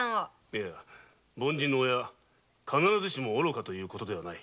いや凡人の親必ずしも愚かという事ではない。